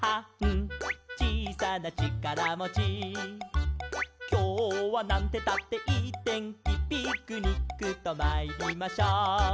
「ちいさなちからもち」「きょうはなんてったっていいてんき」「ピクニックとまいりましょう」